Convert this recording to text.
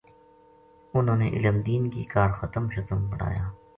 اُنھاں نے علم دین کی کاہڈ ختم شتم پڑھایا